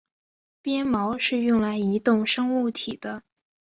鞭毛是用来移动生物体的。